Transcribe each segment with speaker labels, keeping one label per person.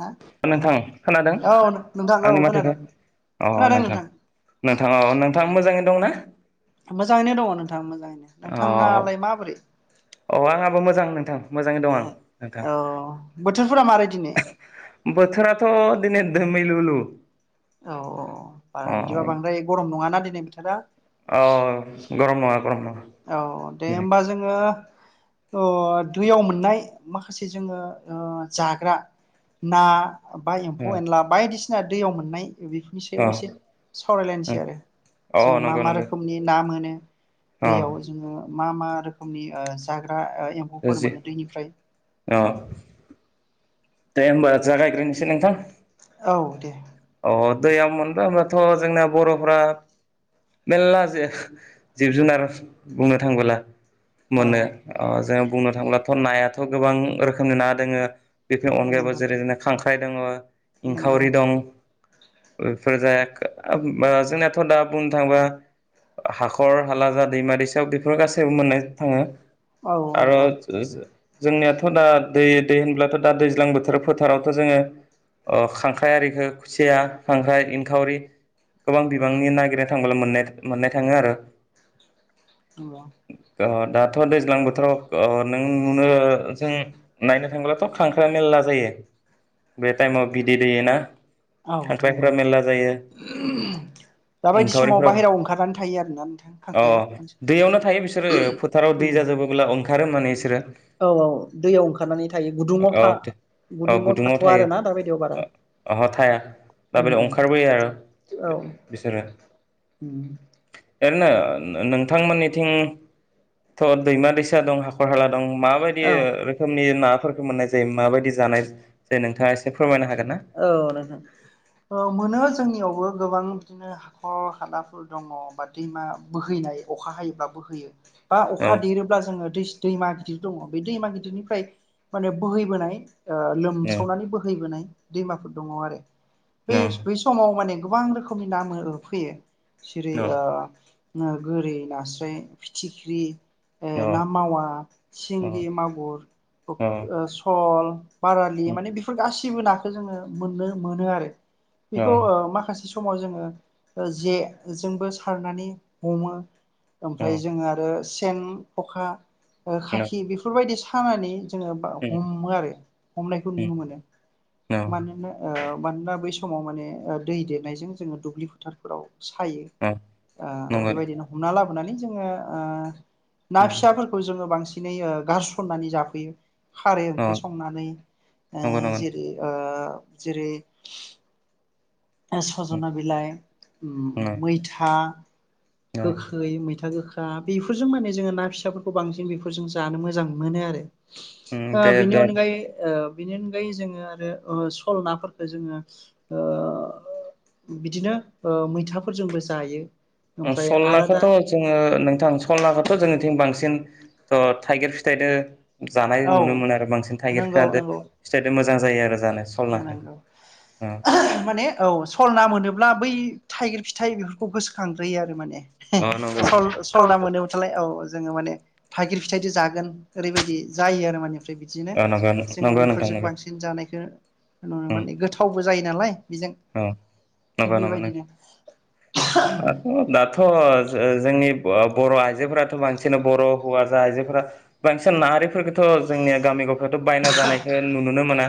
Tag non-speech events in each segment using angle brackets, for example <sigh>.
Speaker 1: हा
Speaker 2: नोंथां खोनादों
Speaker 1: औ औ नोंथां औ
Speaker 2: आंनि माथोखौ
Speaker 1: खोनादों
Speaker 2: अ नोंथां नोंथां अ नोंथां मोजाङैनो दंना?
Speaker 1: मोजाङैनो दंङ नोंथां मोजाङैनो नोंथाङालाय माबोरै?
Speaker 2: औ आंहाबो मोजां नोंथां मोजाङै दं आं नोंथां
Speaker 1: औ बोथोरफोरा मारैदिनै
Speaker 2: बोथोराथ' दिनै दोमैलु लु।
Speaker 1: औ औ बारा बिदिबा बांद्राय गरम नङाना? दिनै बोथोरा
Speaker 2: औ गरम नङा गरम नङा।
Speaker 1: औ दे
Speaker 2: दिनै
Speaker 1: होमबा जोङो अ दैयाव मोननाय माखासे जोङो ओ जाग्रा ना बा एम्फौ
Speaker 2: अ
Speaker 1: एनला बायदिस जोंहा दैयाव मोननाय। बेफोरनि
Speaker 2: अ
Speaker 1: सायाव एसे सावरायलायनोसै आरो
Speaker 2: अ
Speaker 1: जोङो मा
Speaker 2: नंगौ
Speaker 1: मा
Speaker 2: नंगौ
Speaker 1: रोखोमनि ना मोनो।
Speaker 2: अ
Speaker 1: दैयाव जोङो। मा मा रोखोमनि ओ जाग्रा ओ एम्फौफोर
Speaker 2: जि
Speaker 1: मोनो दैनिफ्राय
Speaker 2: अ
Speaker 1: ओ।
Speaker 2: दे होमबा। जागायग्रोनोसै नोंथां
Speaker 1: औ दे
Speaker 2: अ दैयाव मोनबा बाथ' जोंना बर'फ्रा मेरला जे जिब जुनार बुंनो थांबोला।
Speaker 1: औ
Speaker 2: मोनो अ जों। बुंनो थांब्लाथ' नायाथ' गोबां रोखोमनि ना दोङो। बेनि अनगायबो
Speaker 1: नंगौ
Speaker 2: जेरै ना खां <unintelligible>
Speaker 1: नंगौ
Speaker 2: इंखाउरि दं। बेफोर जाया आ जोंनियाथ' दा बुंनो थाङोबा हाखर हाला जा दैमा दैसायाव बेफोर गासैबो मोननाय थाङो।
Speaker 1: औ
Speaker 2: आरो
Speaker 1: नंगौ
Speaker 2: जोंनियाथ' दा दे दे होनब्लाथ'। दा दैज्लां बोथोर फोथारावथ' जोङो खांख्राइ आरिखो खुसिया खांख्राइ इनखावरि गोबां बिबांनि नागिरनो थांबोला मोननाय थाङो आरो।
Speaker 1: नंगौ।
Speaker 2: अ दाथ' दैज्लां बोथोराव अ नों नुनो जों नायनो थांब्लाथ'। खांख्रा मेलला जायो बे टाइमाव बिदै दैयोना।
Speaker 1: औ
Speaker 2: खांख्राइफोरा
Speaker 1: नंगौ
Speaker 2: मेलला जायो
Speaker 1: दाबायदि समाव
Speaker 2: एंखावरिफोरा
Speaker 1: बाहेरायाव ओंखारनानै थायो आरोना नोंथां
Speaker 2: अ
Speaker 1: खांख्राइआ।
Speaker 2: दैयावनो थारो मोनो बिसोरो।
Speaker 1: औ औ दैयाव ओंखारनानै थायो। गुदुङाव
Speaker 2: ओ
Speaker 1: था
Speaker 2: थे औ
Speaker 1: गुदुङाव
Speaker 2: गुदुंङाव
Speaker 1: थाथ'वा
Speaker 2: थायो
Speaker 1: आरोना दाबायदियाव बारा
Speaker 2: अह थाया
Speaker 1: उम
Speaker 2: दाबादियाव
Speaker 1: उम
Speaker 2: ओंखारबोयो आरो
Speaker 1: औ
Speaker 2: बिसोरो
Speaker 1: उम
Speaker 2: ओरैनो नोंथांमोननिथिंथ' दैमा दैसा दं हाख, खरहाला दं माबायदि
Speaker 1: औ
Speaker 2: रोखोमनि ना मोननाय जायो माबायदि जानाय जायो नोंथांङा एसे फोरमायनो हाग
Speaker 1: औ नोंथां ओ मोनो जोंनियाव बो गोबां बिदिनो हाखर हालाफोर दंङ बा दैमा बोहैनाय अखा हायोब्लाा बोहैयो। बा
Speaker 2: औ
Speaker 1: अखा देरोब्ला जोंङो दैस दैमा गिदिर दंङ बे दैमा गिदिरनिफ्राय माने बोहैबोनाय ओ लोमसावनानै बोहैबोनाय। दैमाफोर दंङ आरो। बैस बै समाव माने गोबां रोखोमनि ना मो ओ फैयो। सिरि ओ ना गोरि, नास्राय, फिथिख्रि ओ ना मावा सिंगि मागुर ओंख ओ सल बारालि माने बेफोर गासिब सिबोना जोंङो मोननो मोनो आरो। बेखौ ओ माखासे सु समाव जोंङो जे जोंबो सारनानै हमो। ओमफ्राय जोंङो आरो सि सेन, खखा ओ खाखि बेफोरबायदि खामानि जोंङो बा हमो आरो हमनायखौ नुनो मोनो। मानोननो मानोना बै समाव माने दै देरनायजों जोंङो दुब्लि फोथारफोराव। सायो ओ बेबायदिनो हमना लाबो नानै जोंङो ओ ना फिसाफोरखौ जोंङो बांसिन इनै ओ गारसननानै जाफैयो। खारै ओंख्रि संनानै ओ
Speaker 2: नंगौ नंगौ
Speaker 1: जेरै ओ जेरै। ओ
Speaker 2: उम
Speaker 1: सजना बिलाइ
Speaker 2: उम
Speaker 1: मैथा
Speaker 2: औ
Speaker 1: गोखै मैथा गोख दा बेफोरजों माने जोङो ना फिसाफोरखौ बांसिन बेफोरजों जानो मोजां मोनो आरो
Speaker 2: उम
Speaker 1: दा
Speaker 2: दे
Speaker 1: बिनि
Speaker 2: दे
Speaker 1: अनगायै ओ। बेनि अनगायै जोङो आरो ओ सल नाफोरफोरखौ जोङो ओ बिदिनो ओ मैथाफोरजोंबो जायो।
Speaker 2: ओ
Speaker 1: ओमफ्राय
Speaker 2: सल
Speaker 1: आलादा
Speaker 2: नाखौथ' जोङो नोंथां सल नाखौथ' जोंनिथिं बांसिन थ' थाइगिर फिथाइदो जानाय
Speaker 1: औ
Speaker 2: नुनो मोनो आरो बांसिन थाइगिर फिथायदो फिथाइजों मो जां जायो आरो जानो
Speaker 1: ना
Speaker 2: सलनाखो
Speaker 1: नोंगौ
Speaker 2: अ
Speaker 1: माने औ फल ना मोनोब्ला बै थाइगिर फिथाइ बेफोरखौ गोसोखांग्रोयो आरो माने
Speaker 2: अ नंगौ
Speaker 1: सल सलना मोनोबाथालाय औ जोङो माने थाइगिर फिथाइजों जागोन ओरैबायदि जायो आरो माने ओमफ्राय बिदिनो
Speaker 2: अ नंगौ
Speaker 1: जोङो
Speaker 2: नंगौ नोंथां
Speaker 1: बेफोरजों
Speaker 2: नंगौ
Speaker 1: बांसिन जानायखौ नुनो माने गोथावबो जायो नालाय। बेजों
Speaker 2: अ
Speaker 1: थिग
Speaker 2: नंगौ नंगौ
Speaker 1: बेबायदिनो
Speaker 2: दाथ' ओ ओ जोंनि आ बर' आइजोफोराथ' बांसिनानो बर' हौवासा आइजोफोरा बांसिन ना आरिफोरखौथ' जोंनिया गामि गफ यावथ' बायना जानायखौ नुनो मोना।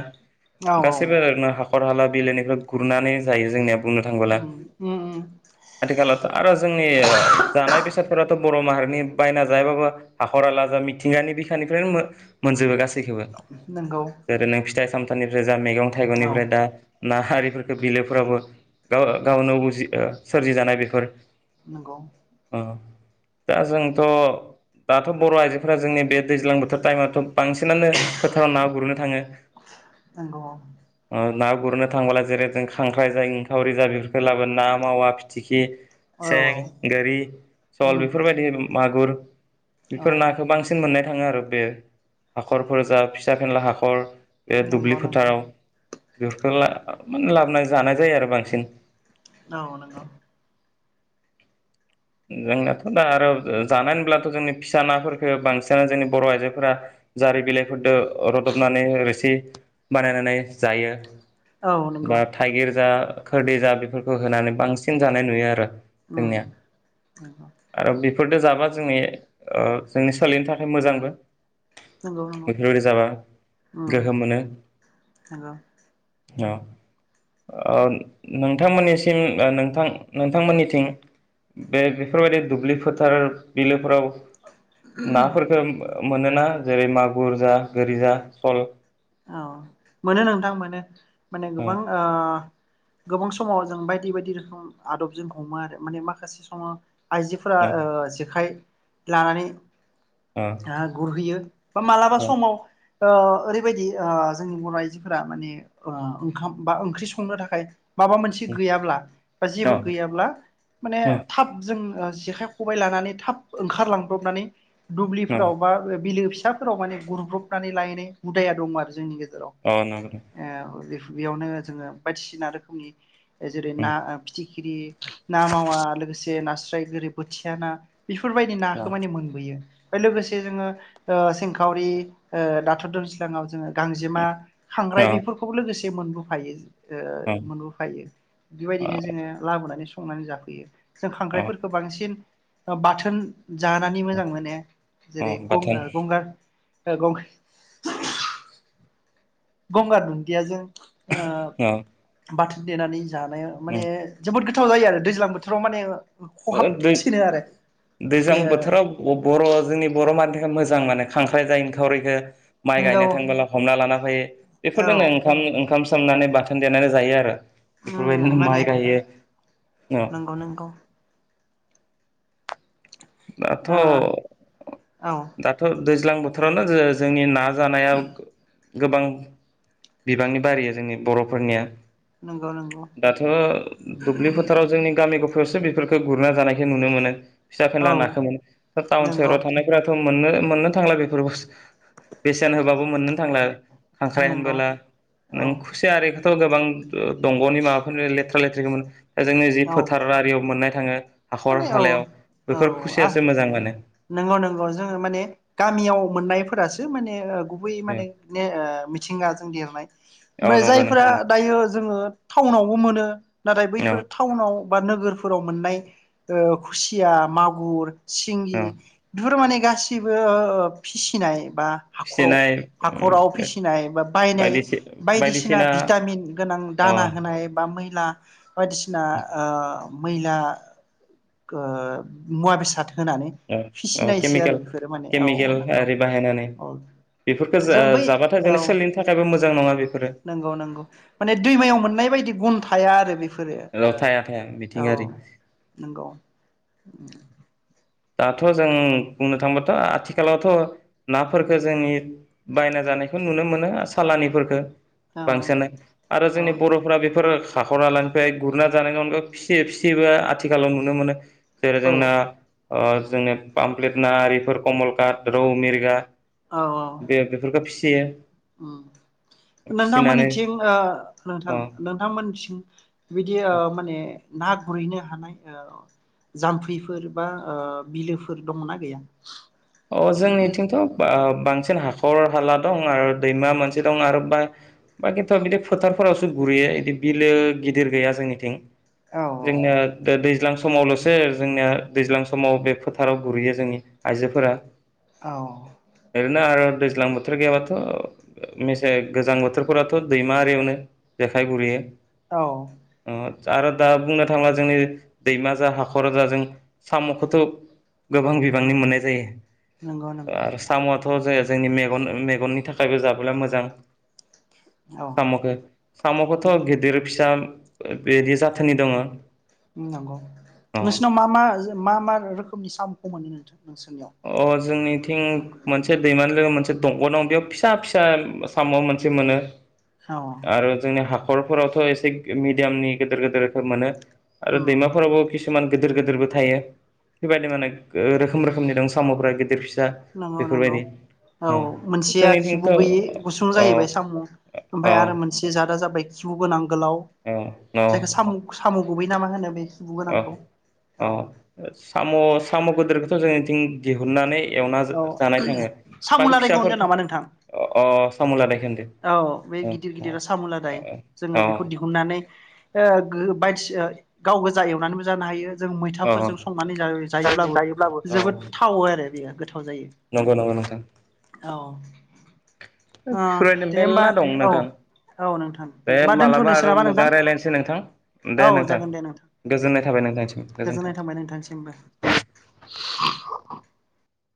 Speaker 1: औ
Speaker 2: <inaudible>
Speaker 1: औ
Speaker 2: गासैबो नाहा हाखर हाला बिलोनिफ्राय गुरनानै जायो जोंनिया बुंनो थांबोला
Speaker 1: उम उम उम
Speaker 2: आथिखालावथ' आरो जोंनि जानाय बेसादफोराथ' बर' माहारि माने बायना जायाबाबो हाखर हाला जा मिथिंगानि बिखानिफ्रायनो मो मोनजोबो गासैखौबो
Speaker 1: नंगौ
Speaker 2: जेरै नों फिथाइ साम फोरनिफ्राय जा मैगं
Speaker 1: औ
Speaker 2: थाइगंनिफ्राय दा ना हारि बिलोफोराबो गाव गावनो उजि ओ सोरजिजानाय बेफोर
Speaker 1: नोंगौ
Speaker 2: दा जोंथ' दाथ' बर' आइजोफोरा जोंनि बे दैज्लां बोथोर टाइमाव बांसिनानो फोथाराव ना गुरनो थाङो
Speaker 1: नंगौ
Speaker 2: गुरुनो थांब्ला जेरै जों खांख्राइ जा इंखावरि जा बेफोरखौ लाबोना मावा बिथिख्रि
Speaker 1: औ औ
Speaker 2: सें, गोरि, सल
Speaker 1: उम
Speaker 2: बेफोरबायदि मागुर <inaudible>
Speaker 1: औ
Speaker 2: बेफोर नाखौ बांसिन मोन थांङो आरो बे हाखरफोर जा फिसा फेनला हाखर बे दुब्लि
Speaker 1: नंगौ नंगौ
Speaker 2: फोथाराव दुरखला माने लाबोना जानाय जायो आरो बांसिन।
Speaker 1: औ नंगौ।
Speaker 2: जोंनाथ' दा आरो जानाय होनब्लाथ' जोंनि फिसा नाफोरखो बांसिनानो जोंनि बर' आइजोफोरा जारि बिलाइफोरजों रदबनानै रोसि बानायनानै जायो।
Speaker 1: औ नंगौ
Speaker 2: बा थाइगिर जा खोरदै जा बेफोरखौ होनानै बांसिन जानाय नुयो आरो जोंनिया
Speaker 1: उम्म नंगौ।
Speaker 2: आरो बेफोरजों जाबा जोंनि ओ जोंनि सोलिनो थाखाय मोजांबो।
Speaker 1: नंगौ नंगौ
Speaker 2: बेफोरबायदि जाबा
Speaker 1: उम
Speaker 2: गोहो मोनो।
Speaker 1: नंगौ
Speaker 2: औ ओ नोंथांमोननिसिम ओ नोंथां नोंथांमोननिथिं बे बेफोरबायदि दुब्लि फोथार बिलोफोराव नाफोरफोरखो मोनोना जेरै मागुर जा गोरि जा सल
Speaker 1: औ मोनो नोंथां मोनो। माने गोबां ओ गोबां समाव जों बायदि बायदि रोखोम आदबजों हमो आरो माने माखासे समाव आइजोफोरा ओ जेखाइ लानानै ओ गुरहैयो बा मालाबा
Speaker 2: ओ
Speaker 1: समाव ओ ओरै बायदि ओ जोंनि बर' आइजोफोरा माने ओ ओंखाम बा ओंख्रि संनो थाखाय माबा मोनसे गैयाब्ला बा जेबो
Speaker 2: ओ
Speaker 1: गैयाब्ला माने
Speaker 2: ओ
Speaker 1: थाब जों ओ जेखाइ खबाइ लानानै थाब ओंखारलांब्रबनानै
Speaker 2: ओ
Speaker 1: दुब्लिफोराव बा बिलो फिसाफोराव माने गुरब्रब नानै लायनो हुदाया दं आरो जोंनि गेजेर
Speaker 2: अ नंगौ दे
Speaker 1: <unintelligible> बेयावनो जोङो बायदिसिना रोखोमनि जेरै
Speaker 2: उम
Speaker 1: ना फिथि ग्रि ना मावा लोगोसे नास्राय गोरि बोथिया ना। बेफोरबायदि
Speaker 2: अ
Speaker 1: नाखौ माने मोनबोयो। बे लोगोसे जोङो ओ सिंखावरि ओ दाथ' दुर <unintelligible> जोङो गांजेमा खांख्राइ
Speaker 2: अ
Speaker 1: बेफोरखौबो लोगोसे <unintelligible> मोनबोफायो। ओ
Speaker 2: अ
Speaker 1: मोनबोफायो बेबायदिनो जोङो लाबोनानै सं संनानै जाफैयो। जों
Speaker 2: अ
Speaker 1: खांख्राइफोरखो बांसिन ओ बाथोन जानानै मोजां मोनो
Speaker 2: अ
Speaker 1: जेरै
Speaker 2: बाथोन
Speaker 1: गंगा- गंगार ओ गं- गंगार दुन्दिया जों
Speaker 2: अ
Speaker 1: ओ बाथो देनानै जानाया माने
Speaker 2: उम
Speaker 1: जोबोद गोथाव जायो आरो दैज्लां बोथो र माने ओ
Speaker 2: ओ दै
Speaker 1: बे
Speaker 2: दैज्लां बोथोराव ब-बर' जोंनि बर' मान मोजां मोनो खांख्राय जाये इंखावरिखौ माइ
Speaker 1: नोंगौ
Speaker 2: गायनो थांबोला हमना लाना ओमफाय
Speaker 1: औ
Speaker 2: बेफोर दांनाय ओंखाम ओंखाम सोमनानै बाथोन देनानै जायो आरो।
Speaker 1: उम
Speaker 2: बेफोरबायदिनो
Speaker 1: माने
Speaker 2: माइ गायो, औ।
Speaker 1: नंगौ नंगौ
Speaker 2: दाथ'
Speaker 1: ओ औ
Speaker 2: दाथ' दैज्लां बोथोरावनो जो- जोंनि ना <unintelligible> नायाव गोबां बिबांनि बारिया जोंनि बर'फोरनिया
Speaker 1: नंगौ नंगौ
Speaker 2: दाथ' दुब्लि फोथाराव जोंनि गामिखौ फोरसो बेफोरखौ गुरना जानायखौ नुनो मोनो। फिसा
Speaker 1: औ
Speaker 2: फेनला नाखो मोनो टाउन
Speaker 1: नंगौ
Speaker 2: सहराव थानाय, दाथ' मोननो मोननो थांला बेफोर बेसेन होबाबो मोननो थांला, खांख्राइ
Speaker 1: नंगौ
Speaker 2: होनबोला
Speaker 1: औ
Speaker 2: नों खुसिया आरो बेखौथ' गोबां ओ दंग'नि माबाफोरनो लेथ्रा लेथ्रिखौमोन ओजोंनो जि
Speaker 1: औ
Speaker 2: फोथार आरियाव मोननाय थाङो, हाखर
Speaker 1: माने औ
Speaker 2: हालायाव बेफोर खुसियासो मोजां मोनो
Speaker 1: हाख' जोङो माने गामियाव मोननायफोरासो माने गुबै माने मिथिंगाजों देरनाय
Speaker 2: औ
Speaker 1: ओमफ्राय
Speaker 2: नंगौ
Speaker 1: जायफोरा
Speaker 2: नोंथां
Speaker 1: दायो जोङो टाउनावबो मोनो नाथाय
Speaker 2: औ
Speaker 1: बैफोर टाउनाव, बा नोगोरफोराव मोननाय, ओ खुसिया मागुर, सिंगि
Speaker 2: औ
Speaker 1: बेफोर माने, गासिबो फिसिनाय, बा हाखराव
Speaker 2: फिसिनाय
Speaker 1: हाखराव फिसिनाय बा बायनाय बायदिसिना भिटामिन गोनां
Speaker 2: अ
Speaker 1: दाना होनाय बा मैला, बायदिसिना ओ मैला ओ मुवा बेसाद, होनानै
Speaker 2: ओ
Speaker 1: फिसिनायसो आरो
Speaker 2: केमिकेल
Speaker 1: बेफोरो माने औ
Speaker 2: केमिकेल
Speaker 1: नंगौ
Speaker 2: आरि बाहायनानै
Speaker 1: औ
Speaker 2: बेफोरखौ
Speaker 1: जों बै
Speaker 2: जाबाथाय
Speaker 1: औ
Speaker 2: जोंनि सोलिनो थाखायबो मोजां नङा बेफोरो
Speaker 1: नंगौ नंगौ माने दैमायाव मोननाय बायदि बन्थ' थाया आरो बे बेफोरो ओ
Speaker 2: थाया थाया
Speaker 1: औ
Speaker 2: मिथिंगायारि
Speaker 1: नंगौ उम
Speaker 2: दाथ' जों बुंनो थांबाथ' आथिखालावथ' नाफोरखो जोंनि बायना जानायखौ नुनो मोनो सालानिफोरखो,
Speaker 1: औ
Speaker 2: बांसिनो आरो
Speaker 1: औ
Speaker 2: जोंनि बर'फ्रा बेफोर हाख'रालानिफ्राय गुरना जानायनि अनगा फिसि फिसिबो आथिखालाव नुनो मोनो जेरै
Speaker 1: औ
Speaker 2: जोंना, ओ जोंनि पामप्लेट ना आरिफोर कमलकाट, रौ, मिरगा,
Speaker 1: औ औ
Speaker 2: बे बेफोरखौ फिसि बेयो
Speaker 1: उम नोंथां मोननिथिं ओ नोंथां
Speaker 2: अ
Speaker 1: नोंथां मोननिथिं, बिदि ओ माने ना गुरहैनो हानाय ओ जाम्फैफोर बा ओ बिलोफोर दङना गैया?
Speaker 2: अ जोंनिथिंथ' बाब, बांसिन हाखर हाला दं आरो दैमा मोनसे दं आरो बा बाखिन्थ' बिदि फोथारफोरावसो गुरैयो बिदि बिलो गिदिर गैया जोंनिथिं।
Speaker 1: औ
Speaker 2: जोंनो दैज्लां समावल'सो जोंनिया दैज्लां समाव बे फोथाराव गुरैयो जोंनि आइजोफोरा
Speaker 1: औ
Speaker 2: बिदिनो आरो दैज्लां बोथोर गैयाबाथ' मेसे गोजां बोथोरफोराथ' दैमा आरियावनो जेखाइ गुरैयो।
Speaker 1: औ
Speaker 2: ओ आरो दा बुंनो थांला जोंनि दैमा जा हाखरा जा जों साम'खौथ' गोबां बिबांनि मोननाय जायो।
Speaker 1: नंगौ नंगौ
Speaker 2: आरो साम'आथ' जाया जोंनि मेग मेगननि थाखाय खायाइबो जाबोला मोजां
Speaker 1: औ
Speaker 2: सामखो
Speaker 1: नंगौ
Speaker 2: सामखोथ' गिदिर फिसा बेदि जाथोननि दङ।
Speaker 1: नंगौ नोंसिनाव मा मा मा मा रोख खोमनि सामुखौ मोननो नोंथां नोंसोरनियाव
Speaker 2: अ जोंनिथिं मोनसे दैमानि जागा मोनसे दंग' दं बेयाव फिसा फिसा साम' मोनसे मोनो
Speaker 1: औ
Speaker 2: आरो जोंनि हाख खरफोरावथ' एसे मिडियामनि गेदिर गेदेरफोर मोनो। आरो
Speaker 1: उम
Speaker 2: दैमाफोरावबो किसुमान गेदेर गेदेरबो थायो बेबायदि माने रोखोम रोखोमनि दं। साम'फोरा गिदिर फिस
Speaker 1: नंगौ नंगौ औ मोनसेया
Speaker 2: जोंनिथिंथ'
Speaker 1: खिबु गैयि गुसुं
Speaker 2: औ
Speaker 1: जाहैबाय साम' ओमफाय
Speaker 2: औ
Speaker 1: आरो मोनसे जादा जाबाय खिबु गोनां गोलाव
Speaker 2: औ औ
Speaker 1: जायखो सामु सामु गुबै नामा होनो बे खिबु
Speaker 2: अ
Speaker 1: गोनांखौ
Speaker 2: अ
Speaker 1: औ
Speaker 2: साम' साम' गोद दोरखौथ' जोंनिथिं दिहुननानै एवना
Speaker 1: औ
Speaker 2: जानाय थाङो
Speaker 1: साम'
Speaker 2: बाखि
Speaker 1: लादायखौ होनदों
Speaker 2: फिसाफोरख
Speaker 1: नामा नोंथां
Speaker 2: अ साम' लादायखो
Speaker 1: औ बे गिदिर गिदिरा
Speaker 2: अ
Speaker 1: सामुलादाय जोङो
Speaker 2: अ
Speaker 1: बेखौ दिहुननानै ओ बायदिसो गाव गोजो एवनानैबो जानो हायो। जों
Speaker 2: अ
Speaker 1: मैथाफोरजों संनानै जायो जायोब्लाबो
Speaker 2: अ
Speaker 1: जोबोद थावो आरो बेयो गोथाव
Speaker 2: नंगौ नंगौ नोंथां
Speaker 1: जायो औ ओ
Speaker 2: <unintelligible>
Speaker 1: दे होमबा औ
Speaker 2: नोंथां
Speaker 1: औ नोंथां
Speaker 2: दे
Speaker 1: होमबा
Speaker 2: मालाबा
Speaker 1: दोन्थ'नोस
Speaker 2: आरो
Speaker 1: नाबा नोंथां
Speaker 2: मोजां रायज्लायनोसै नोंथां
Speaker 1: औ जागोन दे नोंथां दे
Speaker 2: गोजोननाय थाबाय नोंथांसिम गोजोन्थों
Speaker 1: गोजोननाय थांबाय नोंथांसिमबो।